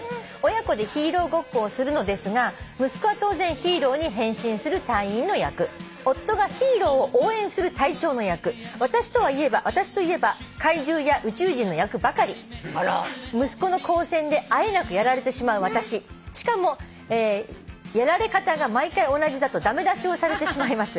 「親子でヒーローごっこをするのですが息子は当然ヒーローに変身する隊員の役」「夫がヒーローを応援する隊長の役」「私といえば怪獣や宇宙人の役ばかり」「息子の光線であえなくやられてしまう私」「しかもやられ方が毎回同じだと駄目出しをされてしまいます」